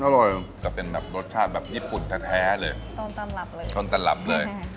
อร่อยกับเป็นแบบรสชาติแบบญี่ปุ่นแท้แท้เลยต้นตำรับเลยต้นตำรับเลย